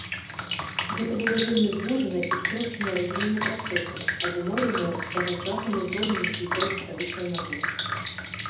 Гэта было вельмі звужанае і спрошчанае разуменне працэсаў, абумоўлена тагачасным узроўнем развіцця гістарычнай навукі.